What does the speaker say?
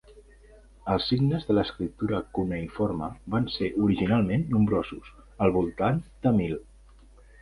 Els signes de l'escriptura cuneïforme van ser originalment nombrosos, al voltant de mil.